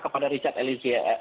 kepada richard elysia